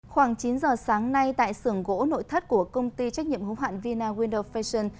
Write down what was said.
khoảng chín giờ sáng nay tại sưởng gỗ nội thất của công ty trách nhiệm hữu hạn vina windo fashion